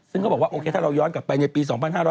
ซึ่งเขาบอกว่าโอเคถ้าเราย้อนกลับไปในปี๒๕๕๙